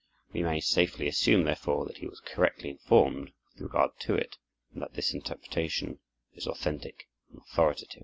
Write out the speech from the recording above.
We may safely assume, therefore, that he was correctly informed with regard to it, and that this interpretation is authentic and authoritative.